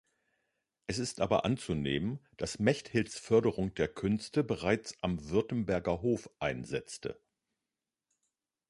Es ist aber anzunehmen, dass Mechthilds Förderung der Künste bereits am Württemberger Hof einsetzte.